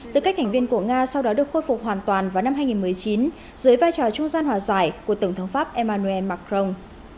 tư cách thành viên của nga sau đó được khôi phục hoàn toàn vào năm hai nghìn một mươi chín dưới vai trò trung gian hòa giải của tổng thống pháp emmanuel macron